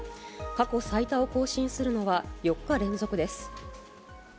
過去最多を更新するのは４日連続です。